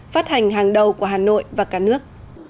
phát hành hàng đầu của hà nội và cả nước